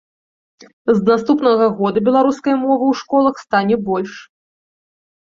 З наступнага года беларускай мовы ў школах стане больш.